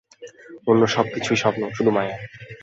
অন্য সব কিছুই স্বপ্ন, শুধু মায়া।